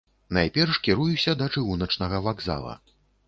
Найперш кіруюся да чыгуначнага вакзала.